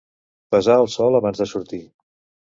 Pesar el sol abans de sortir.